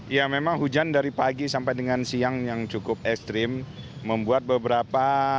ya memang hujan dari pagi sampai dengan siang yang cukup